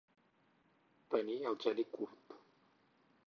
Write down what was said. Tenir el geni curt.